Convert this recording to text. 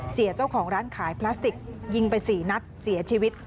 เสียเจ้าของร้านขายพลาสติกยิงไป๔นัดเสียชีวิต